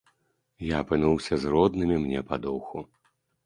Я апынуўся з роднымі мне па духу.